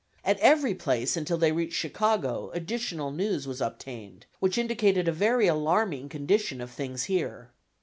At every place until they reached Chicago additional news was obtained, which indicated a very alarming condition of things here.